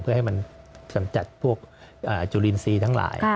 เพื่อให้มันสำจัดพวกจุลินทรีย์ทั้งหลาย